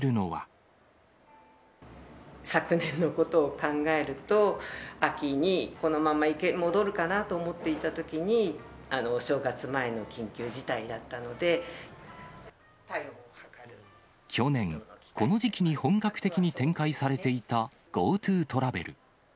昨年のことを考えると、秋にこのまま戻るかなと思っていたときに、去年、この時期に本格的に展開されていたＧｏＴｏトラベル。